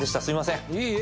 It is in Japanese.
すいません。